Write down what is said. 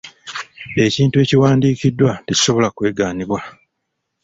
Ekintu ekiwandiikiddwa tekisobola kwegaanibwa.